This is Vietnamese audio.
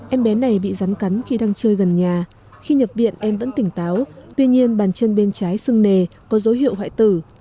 em bé này bị rắn cắn khi đang chơi gần nhà khi nhập viện em vẫn tỉnh táo tuy nhiên bàn chân bên trái sưng nề có dấu hiệu hoại tử